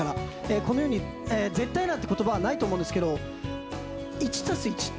この世に絶対なんて言葉はないと思うんですけど１足す１って